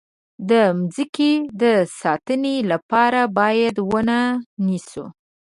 د مځکې د ساتنې لپاره باید ونه نیسو.